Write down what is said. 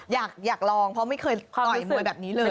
อยากลองเพราะไม่เคยต่อยสวยแบบนี้เลย